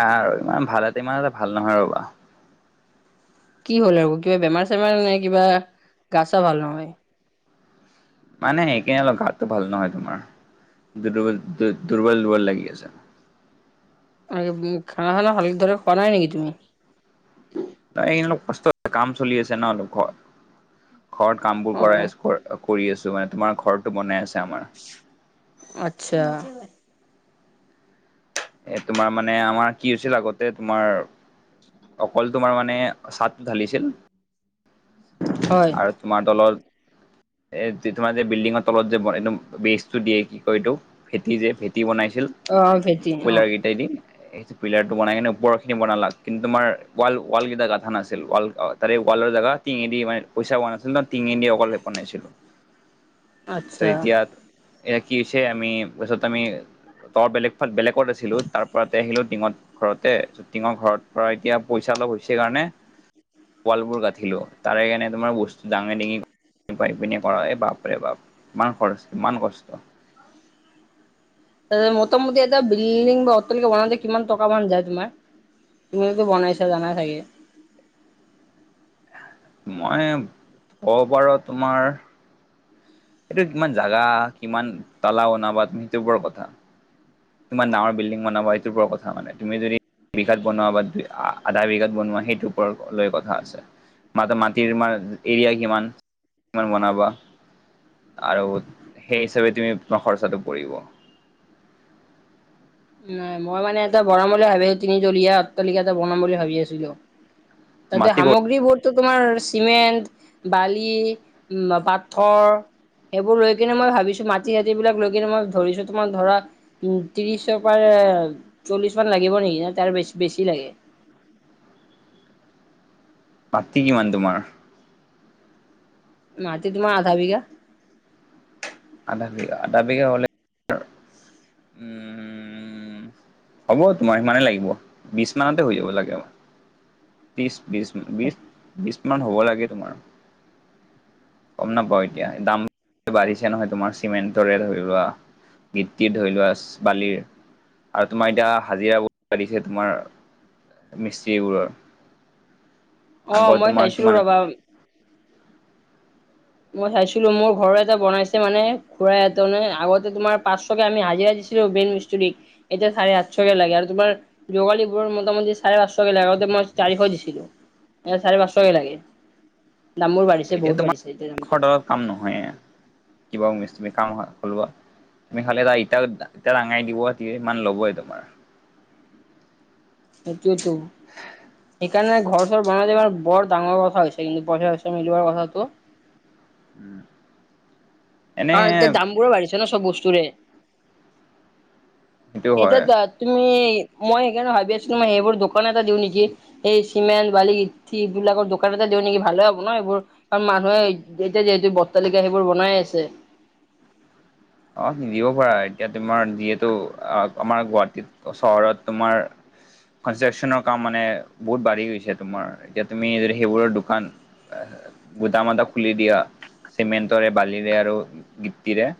আৰু ইমান ভালতে ইমান এটা ভাল নহয় ৰ'বা। কি হ'ল আৰু, কিবা বেমাৰ চেমাৰ নাই কিবা গা চা ভাল নহয়? মানে হেকে অলপ গাঁহটো ভাল নহয় তোমাৰ, দ্বল দুৰ্বল-দুৰ্বল লাগি আছে। খানা-খানা ভালকে ধৰে খোৱা নাই নেকি তুমি? ন এইকেইদিন অলপ কষ্ট কাম চলি আছে ন অলপ ঘৰত? ঘৰত কাম বোৰ অ কৰাই আছোঁ। কৰি আছোঁ মানে তোমাৰ ঘৰতটো বনাই আছে আমাৰ। আচ্ছা। এ তোমাৰ মানে আমাৰ কি হৈছিল আগতে তোমাৰ, অকল তোমাৰ মানে চাদটো ঢালিছিল হয় আৰু তোমাৰ তলত এ তোমাৰ যে বিল্ডিঙৰ তলত যে বনাই একদম বেচটো দিয়ে, কি কয় এইটো? ভেটি যে, ভেটি বনাইছিল। অ', ভে পলাইগেটাইদি। [unintelligible] পিলাৰটো বনাই কিনে ওপৰখিনি বনালাক, কিন্তু তোমাৰ ওৱাল কেইটা গাথা নাছিল ওৱাল তাৰে ওৱালৰ জাগাত টিঙি দি মান পইচা পোৱা নাছিল ন, টিঙি দি অকল লেপ বনাইছিলোঁ। উ [unintelligible] তাৰপিছত এতিয়া, এয়া কি হৈছে আমি তাৰছত আমি তৰ বেলেগ ফাল বেলেগ ওপৰত আছিলোঁ, তাৰ পৰাতে আহিলোঁ টিঙত ঘৰতে, টিঙৰ ঘৰত পৰা এতিয়া পইচা অলপ হৈছে কাৰণে ৱালবোৰ গঠিলোঁ। তাৰে কানে তোমাৰ বস্তু ডাঙে-ডাঙি পাই পিনে কৰা এই বাপ ৰে বাপ ইমান খৰচ, ইমান কষ্ট। [unintelligible] মোটামুটি এটা বিল্ডিং বা অটলকে বনওঁতে কিমান টকা মান যায় তোমাৰ? তুমিয়েতো বনাইছা, জানাই চাগে? মই ক'বৰো তোমাৰ এইটো কিমান জাগা, কিমান তালা বনাবা তুমি সেইটো উপৰত কথা। কিমান ডাঙৰ বিলদিঙ বনাবা এইটোৰ উপৰত কথা মানে, তুমি যদি দু বিঘাত বনোৱা বা দুই আ আধা বিঘাত বনোৱা সেইটোৰ ওপৰ লৈ কথা আছে। মাত মাটিৰাৰ এৰিয়া কিমান, কিমান বনাবা? আৰু সেই হিচাপে তুমি-তোমাৰ খৰচাটো পৰিব। নাই মই মানে এটা বনাম বুলি ভাবি, তিনি তলীয়া অতটালিকা এটা বনাম বুলি ভাবি আছিলোঁ। ততে মাটি ক সামগ্ৰী বোৰ এইটো তোমাৰ চিমেণ্ট, বালি, উম পাথৰ সেইবোৰ লৈ কিনে মই ভাবিছোঁ মাটি চাতি বিলাক লৈ কিনে মই ধৰিছোঁ তোমাৰ ধৰা উম ত্ৰিশ হেটো পাৰে চল্লিশ মান লাগিব নেকি নে তাৰ বেছ বেছি লাগে? মাটি কিমান তোমাৰ? মতি তোমাৰ আধা বিঘা। আধা বিঘা? আধা বিঘা হ'লে, উম [inaudible] হ'ব তোমাৰ সিমানেই লাগিব। বিছ মানতে হৈ যাব লাগে, আউ তিছ তিছ বিশ বিশ মান হ'ব লাগে তোমাৰ। গম নাপাও এতিয়া, দাম পিছে নহয় তোমাৰ চিমেণ্টৰে ধৰি লোৱা, গিত্তিত ধৰি লোৱা, বালিৰ আৰু তোমাৰ এতিয়া হাজিৰা বহুত বাঢ়িছে তোমাৰ মিস্ত্ৰীবোৰৰ। অ আগৰ মই তোমাৰ চাইছিলো কিমান ৰবা আছিল? মই চাইছিলোঁ মোৰ ঘৰ এটা বনাইছে মানে খুৰা এজনে, আগতে তোমাৰ পাঁচ আম হাজিৰা দিছিলোঁ মেইন মিষ্টাৰিক। তেতিয়া চাৰে আঠশকে লাগে আৰু তোমাৰ জোগালী বোৰৰ মোটামুটি চাৰে পাঁচশ কে লাগে আগতে মই চাৰিশ দিছিলোঁ। এ চাৰে পাঁচশকে লাগে। দাম বোৰ বাঢ়িছে এতিয়া বহুত তোমাৰ বাঢ়িছে এতিয়া এশৰ দামটো। তলত কাম নহয়। কিবা [unintelligible] কাম হ'লো। তুমি খালে ইটা-ইটা দাঙাই দিবতি [unintelligible] ইমান লবই তোমাৰ। সেইটোয়েটো। সেইকাৰণে ঘৰ চৰ বনালে মানেও বৰ ডাঙৰ কথা হৈছে কিন্তু পইচা চইচা মিলোৱাৰ কথাটো। উম। কাৰণ এতিয়া দামবোৰো বাঢ়িছে ন চ'ব বস্তুৰে? সেইটো এতিয়া হয় দত তুমি, মই সেইকাৰণে ভাবি আছোঁ মই সেইবোৰ দোকান এটা দিওঁ নেকি? এই চিমেণ্ট, বালি, গীতি এইবিলাকৰ দোকান এটা দিও নেকি? ভালে হ'ব ন এইবোৰ কাৰণ মানুহে এতিয়া যিহেতু বৰটালিকা সেইবোৰ বনাই আছে। অ', দিব পাৰা এতিয়া তোমাৰ যিহেতু আমাৰ গুৱাহাটীত চহৰত তোমাৰ কনষ্ট্ৰাক্যনৰ কাম মানে বহুত বাঢ়ি গৈছে তোমাৰ, এতিয়া তুমি যদি সেইবোৰৰ দোকান গোদাম এটা খুলি দিয়া চিমেণ্টৰে, বালিৰে আৰু গিটিৰে।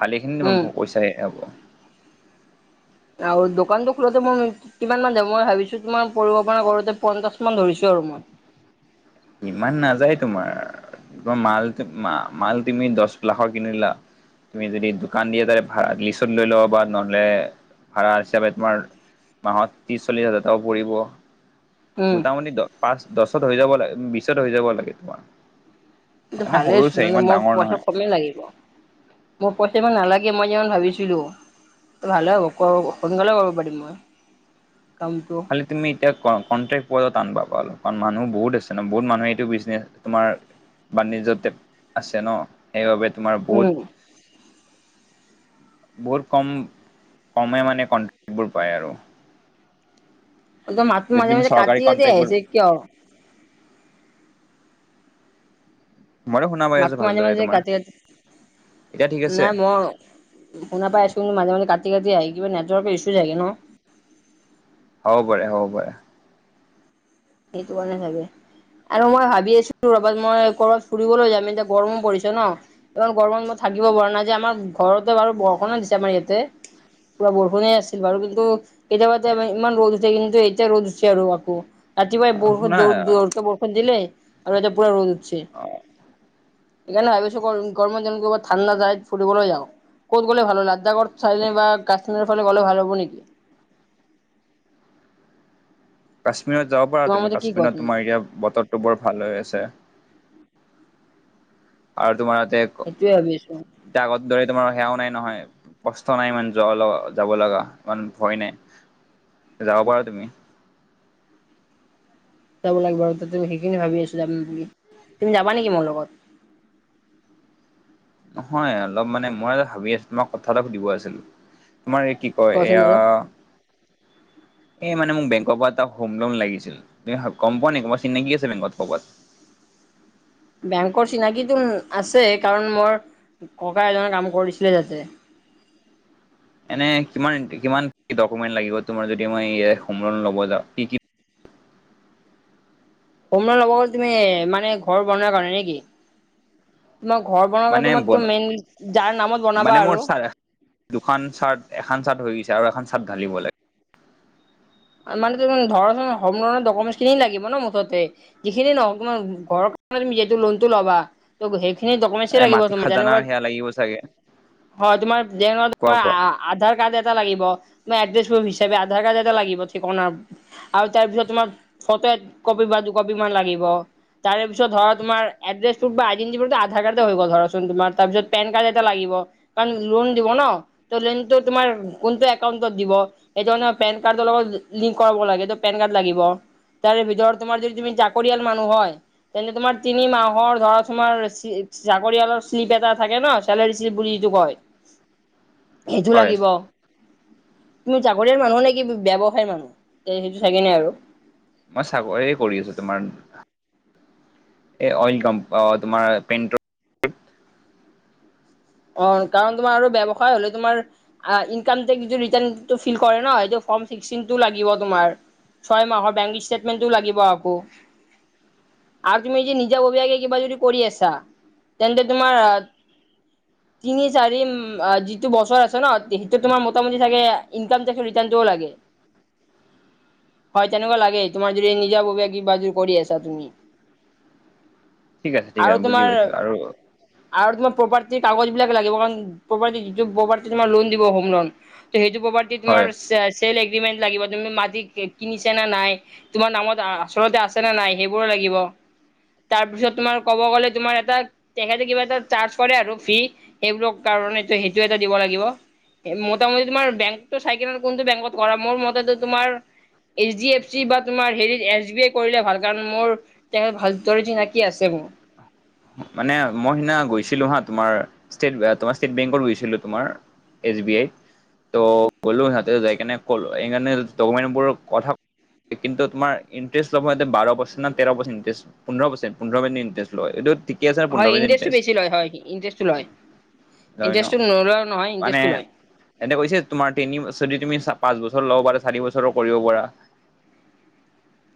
ভালেখিনি তোমাৰ উম প-পইচা এ হ'ব। আৰু দোকানটো খোলোতে মই কিমান মান যাব? মই ভাবিছোঁ কিমান পৰিব পৰা কৰোতে পঞ্চাশ মান ধৰিছোঁ আৰু মই। ইমান নাযায় তোমাৰ। তমাৰ মাল-মাল তুমি দহ লাখৰ কিনিলা তুমি যদি দোকান দিয়ে তাৰে [unintelligible] লৈ লব পাৰা নহ'লে ভাড়া হিচাপে তোমাৰ মাহত ত্ৰিছ, চল্লিছ হাজাৰ টকা পৰিব। উম মোটামুটি দ পাঁচ, দছত হৈ যাব লাগে বিছত হৈ যাব লাগে তোমাৰ। কিন্তু মানে সৰু ভালেচোন। চাই ইমান [unintelligible] মোৰ ডাঙৰ পইচা নহয় কমেই লাগিব। মোৰ পইচা ইমান নালাগে মই যিমান ভাবিছিলো। ভালে হ'ব কৰ সোনকালে কৰিব পাৰিম মই কামটো। খালি তুমি এতিয়া কণ-কণ্ট্ৰেক্ট পোৱাটো টান পাবা। কাৰণ মানুহ বহুত আছে ন। বহুত মানুহে এইটো বিজনেছ তোমাৰ বাণিজ্যতে আছে ন। সেইবাবে তোমাৰ উম। বহুত বহুত কম কমে মানে কন্ট্ৰেক্টবোৰ পায় আৰু। মাতটো যদি মাজে তুমি মাজে চৰকাৰী কাটি কাটি কন্ট্ৰেক্টবোৰ আহিছে কিয়? মইতো শুনা পাই আছো মাতটো মাজে ভালদৰে মাজে তোমাৰ কাটি কাট, এতিয়া ঠিক আছে নাই ম শুনা পাই আছো, কিন্তু মাজ মাজ কাটি কাটি আহি কিবা নেটৱকৰ ইছ্যু ছাগে ন? হ'ব পাৰে, হ'ব পাৰে। সেইটো কাৰণে চাগে। আৰু মই ভাবি আছিলো ৰবাত মই কৰবাত ফুৰিবলৈ যাম। এতিয়া গৰমো পৰিছে ন। ইমান গৰমত মই থাকিব পৰা নাই যে আমাৰ ঘৰতে বাৰু বৰষুণো দিছে আমাৰ ইয়াতে। পুৱা বৰষুণে আছিল বাৰু, কিন্তু কেতিয়াবা তাৰমানে ইমান ৰ'দ উঠে, কিন্তু এতিয়া ৰ'দ উঠিছে আৰু আকৌ। ৰাতিপুৱাই বৰষুণ শুনা দৌ-দৌৰকে বৰষুণ দিলে আৰু এতিয়া পুৰা ৰ'দ উঠছে। সেইকাৰণে ভাবি আছোঁ [unintelligible] গৰমত যেন ক'বাত ঠাণ্ডা ফুৰিবলৈ যাওঁ। ক'ত গ'লে ভাল হ'ব লাডাখৰ চাইডে বা কাশ্মীৰৰ ফালে গলে ভাল হ'ব নেকি? কাশ্মীৰত যাব পাৰা তোমাৰ তুমি। মতে কি কোৱা কাশ্মীৰত তুমি তোমাৰ এতিয়া বতৰটো বৰ ভাল হৈ আছে। আৰু তোমাৰ তাতে সেইটোৱে ভাবি আছো। এতিয়া আগত দৰে তোমাৰ সেয়াও নাই নহয়। কষ্ট নাই ইমান [unintelligible] যাব লাগা, ইমান ভয় নাই। যাব পাৰা তুমি। যাব লাগিব তাতে মই সেইখিনি ভাবি আছো যাম বুলি। তুমি যাবা নেকি মোৰ লগত? নহয় অলপ মানে মই ভাবি আছো তোমাক কথা এটা সুধিব আছিলো। তোমাৰ এই কি কয় কোৱাচোন এয়া বাৰু [inaudible] এই মানে মোক বেংকৰ পৰা এটা হম লন লাগিছিল। তুমি গম পোৱা নে কোনোবা চিনাকি আছে বেংকত ক'বাত? বেংকৰ চিনাকিটো আছে। কাৰণ মোৰ ককা এজনে কাম কৰিছিলে তাতে। এনে কিমান কিমান ডকুমেণ্ট লাগিব তোমাৰ যদি মই হম লন ল'ব যাওঁ? কি কি হম লন ল'ব গলে তুমি মানে ঘৰ বনোৱাৰ কাৰণে নে কি? তোমাৰ ঘৰ বনোৱা কাৰ মানে তোমাক তো বন মেইন যাৰ নামত মানে বনাবা মোৰ আৰু চা দুখন চাৰ্ট, এখান চাৰ্ট হৈ গৈছে আৰু এখন চাৰ্ট ঢালিব লা মানে তুমি ধৰচোন হমলনৰ ডকমেন্সখিনি লাগিব ন মুঠতে? যিখিনি [unintelligible] ঘৰৰ কাৰণে তুমি যিহেতু লনটো ল'বা। ত সেইখিনি এ ডকমেঞ্চে লাগিব মাটি তোমাৰ খাজানাৰ যেনেকুৱা সেয়া লাগিব চাগে হয়, তোমাৰ [unintelligible] কোৱা তোমাৰ কোৱা আ আধাৰ কাৰ্ড এটা লাগিব। [unintelligible] এড্ৰেছ প্ৰুফ হিচাপে আধাৰ কাৰ্ড এটা লাগিব। ঠিকনা আৰু তাৰ পিছত তোমাৰ ফটো এক কপি বা দুকপি মান লাগিব। তাৰ পিছত ধৰা তোমাৰ এড্ৰেছ প্ৰুফ বা আইডেটিুফটো আধাৰ কাৰ্ডে হৈ গল ধৰাচোন তোমাৰ তাৰপিত পেন কাৰ্ড এটা লাগিব। কাৰণ লোন দিব ন? ত লোনটো তোমাৰ কোনটো একাউন্টত দিব? সেইটো মানে পেন কাৰ্ডৰ লগত লিংক কৰাব লাগে এইটো পেন কাৰ্ড লাগিব। তাৰ ভিতৰত তোমাৰ যদি তুমি চাকৰিয়াল মানুহ হয় তেন্তে তোমাৰ তিনি মাহৰ ধৰা তোমাৰ চাকৰিয়ালৰ শ্লিপ এটা থাকে ন, চেলেৰী শ্লিপ বুলি যিটো কয়? [inaudible] সেইটো হয়। লাগিব, তুমি চাকৰিয়াল মানুহ নে কি বে ব্যৱসায় মানুহ? এ সেইটো থাকে নে আৰু মই চাকৰি কৰি আছো। তোমাৰ এ অইল কম অ, তোমাৰ পেনট্ৰ অ', কাৰণ তোমাৰ আৰু ব্যৱসায় হলে তোমাৰ আ ইনকাম টেক্স টো ৰিটাৰ্ণ টো ফিল কৰে ন এইটো ফৰ্ম ফিক্সিং টো লাগিব তোমাৰ। ছয় মাহৰ বেংক ষ্টেটমেণ্টটো লাগিব আকৌ। আৰু তুমি যদি নিজা [unintelligible] কিবা যদি কৰি আছা, তেন্তে তোমাৰ আ তিনি চাৰি যিটো বছৰ আছে ন সেইটো তোমাৰ মোটামুটি চাগে ইনকাম টে ৰিাৰ্টোও লাগে। [inaudible] হয় তেনেকুৱা লাগে তোমাৰ যদি নিজা ববীয়া কে কিবাযদি কৰি আছা তুমি। ঠিক আছে ঠিক আৰু আছে বুজি তোমাৰ, পাইছো আৰু আৰু তোমাৰ প্ৰপাৰ্টি কাগজ বিলাক লাগিব কাৰণ প্ৰপাৰ্টি যিটো প্ৰপাৰ্টি তোমা লোন দিব হোম লোন, ত সেইটো প্ৰপাৰ্ট কি হয় তোমাৰ চে চেল এগ্ৰিমেন্ট লাগিব তুমি মাটি কি কিনিছা নে নাই। তোমাৰ নামত আ আচলতে আছে নে নাই সেইবোৰো লাগিব। তাৰ পিছত তোমাৰ ক'ব গ'লে তোমাৰ এটা তেখেতে কিবা এটা চাৰ্জ কৰে আৰু। ফি সেইবোৰক কাৰণেটো সেইটো এটা দিব লাগিব। মোটামুটি তোমাৰ বেংকতটো চাইকিনে কোনটো বেংকত কৰা? মোৰ মতেতো তোমাৰ এইচ ডি এফ চি বা তোমাৰ হেৰিত এছ বি এ কৰিলে ভাল। কাৰণ মোৰ তেহে ভালজৰ চিনাকি আছে মোৰ। মানে মই সিদিনা গৈছিলোঁ হাঁ তোমাৰ, ষ্টেট বে তোমাৰ ষ্টেট বেংকত গৈছিলোঁ তোমাৰ। S B I. ত' ক'লো হেয়াতেও যায় কেনে ক এইকাণে ডকুমেনবোৰ কথা কিন্তু তোমাৰ ইনটেৰেষ্ট ল'ব সিহঁতে বাৰ পাৰ্চেণ্ট না তেৰ পাচেনটিছ পোন্ধ পাৰ্চেণ্ট পোন্ধৰ মিনি ইণ্টেষ্ট লয়। এইটোত হয় ইনডেষ্টটো বেছি লয় হয় ইনডেচটো লয় ল। লয় ন ইণ্টেছটো নোলোৱাও নহয় মানে ইণ্টেছটো লয়। এনে কৈছে তোমাৰ তিনি চদি তুমি পাঁচ বছৰ ল'ব পাৰা চাৰি বছৰো কৰিব পাৰা। [unintelligible]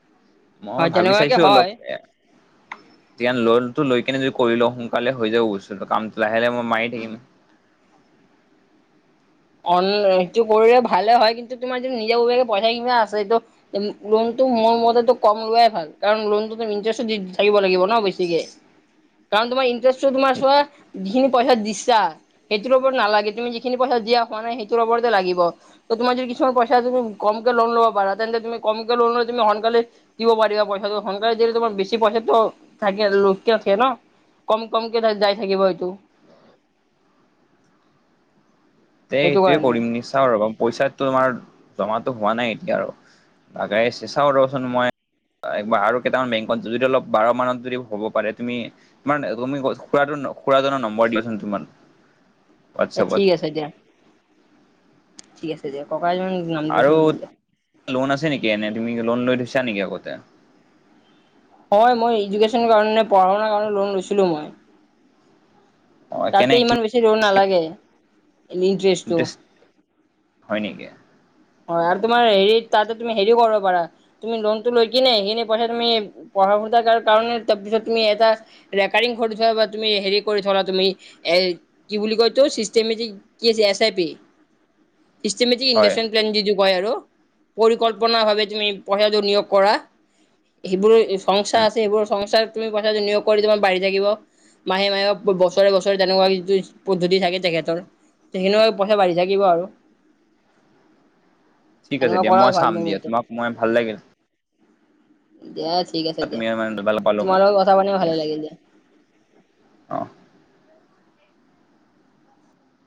মই হয় ভাবি তেনেকুৱাকে চাইছোঁ অলপ হয় এতিয়া লোণ টো লৈ কেনে যদি কৰি লওঁ সোনকালে হৈ যাব বস্তু কামটো লাহে-লাহে মই মাৰি থাকিম। অন সেটো কৰিলে ভালে হয় কিন্তু তোমাৰ যি নিজ ববিয়াকে পইচা কিয়া আছেটো লোনতটো মোৰ মতেতো কম লোৱাই ভাল, কাৰণ লোনটোটো ইণ্টেৰেছো দি থাকিব লাগিব ন বেছিকে। কাৰণ তোমাৰ ইনট্ৰেষ্ট তো তোমাৰ চোৱা যিখিনি পইচা দিছা, সেইটোৰ ওপৰত নালাগে তুমি যিখিনি পইচা দিয়া মানে সেইটোৰ ওপৰতে লাগিব। ত তুমাৰ যদি কিছুমান পইছা তুমি কমকে লোণ ল'ব পাৰা তেন্তে তুমি কমকে লোণ লৈ তুমি সনকালে দিব পাৰিবা পইচাটো সোনকালে দিল তোমাৰ বেছি পইচাটো থাকে [unintelligible] কম-কমকে যাই থাকিব এইটো। তে সেইটো সেইটোয়ে কাৰণে কৰিম নি? চাও ৰবা পইচাত তোমাৰ জমাটো হোৱা নাই এতিয়া আৰু। আগাইছে চাও ৰচোন মই একবাৰ আৰু কেইটামান বেংকত যড়িত অলপ বাৰ মানত যদি হ'ব পাৰে তুমি মানে তুমি খুৰাডন খুৰাজনৰ নম্বৰ দিয়িচোন কিমান। এ ঠিক আছে দিয়া। ঠিক আছে দিয়া। ককাই আৰুত লোন আছে নেকি, এনে তুমি লোন লৈ থৈছা নেকি আগতে? হয় মই ইজুকেশ্যনৰ কাৰণে, পঢ়া শুনাৰ কাৰণে লোন লৈছিলোঁ মই। অ কেনে তাতে ইমান বেছি ৰ' ইণ্টাৰেষ্ট নালাগে, ইনিট্ৰেষ্টটো। হয় নেকি? হয় আৰু তোমাৰ হেৰি তাতে তুমি হেৰিও কৰিব পাৰা তুমি লোন টো লৈ কিনে সিনি পইচা তুমি পঢ়া শুতা কা কাৰণে তাৰপিছত তুমি এটা ৰেকাৰিং ঘৰটো থোৱা বা তুমি হেৰি কৰি থলা তুমি এ কি বুলি কয় এইতো চিচমেটিক কিযে এচ আই পি? চিচমেটিক হয় ইলেভেন [unintelligible] কয় আৰু পৰিকল্পনা ভাৱে তুমি পইচাটো নিয়োগ কৰা। সেইবোৰ সংস্থা উম আছে সেইবোৰ সংস্থা তুমি পইচাটো নিয়োগ কৰি তোমাৰ বাঢ়ি থাকিব। মাহে-মাহে, ব-বছৰে-বছৰে তেনেকুৱা যিটো পদ্ধতি থাকে তেখেতৰ। তে হেণেকৈ পইচা বাঢ়ি থাকিব আৰু। ঠিক আছে তেনেকুৱা দিয়া, কৰাও মই ভাল চাম মোৰ দিয়া, মতে তোমাক মই ভাল লাগিল। দিয়া ঠিক আছে তুমি দিয়া। ইমান ভাল পালো মই তোমাৰ লগত কথা পাতি ম ভালে লাগিল দিয়া। অ'।